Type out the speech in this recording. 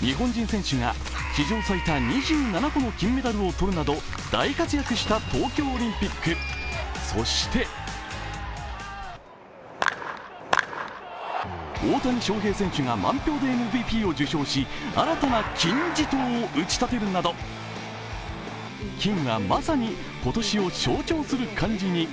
日本人選手が史上最多２７個の金メダルを取るなど大活躍した東京オリンピック、そして大谷翔平選手が満票でＭＶＰを受賞し新たな金字塔を打ち立てるなど、「金」はまさに今年を象徴する漢字に。